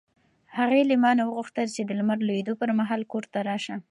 هغې له ما نه وغوښتل چې د لمر لوېدو پر مهال کور ته راشه.